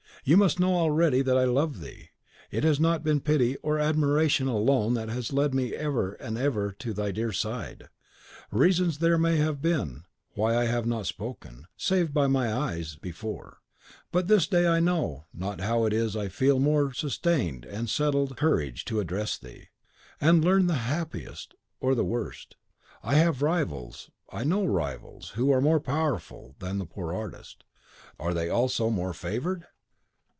You must know already that I love thee! It has not been pity or admiration alone that has led me ever and ever to thy dear side; reasons there may have been why I have not spoken, save by my eyes, before; but this day I know not how it is I feel a more sustained and settled courage to address thee, and learn the happiest or the worst. I have rivals, I know, rivals who are more powerful than the poor artist; are they also more favoured?"